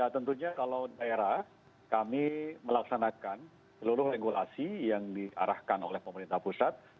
tentunya kalau daerah kami melaksanakan seluruh regulasi yang diarahkan oleh pemerintah pusat